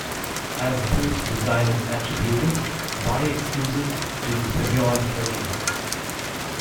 As-built design is attributed, by exclusion, to Semyon Karin.